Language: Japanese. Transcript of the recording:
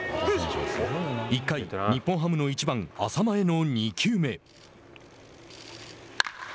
１回、日本ハムの１番淺間への２球目。